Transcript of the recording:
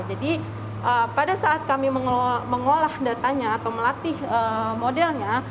jadi pada saat kami mengolah datanya atau melatih modelnya